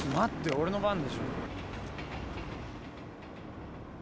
俺の番でしょ。